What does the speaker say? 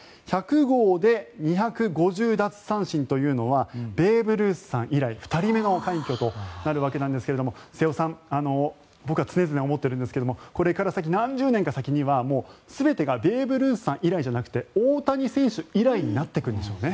１００号で２５０奪三振というのはベーブ・ルースさん以来２人目の快挙となるわけですが瀬尾さん僕は常々思っているんですがこれから先、何十年か先には全てがベーブ・ルース以来じゃなくて大谷選手以来になっていくんでしょうね。